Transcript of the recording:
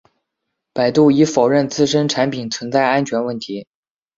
百度已否认自身产品存在安全问题。